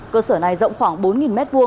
cơ sở này rộng khoảng bốn m hai